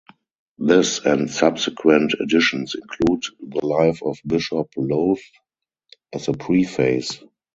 This and subsequent editions include the life of Bishop Lowth as a preface.